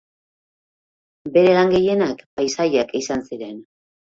Bere lan gehienak paisaiak izan ziren.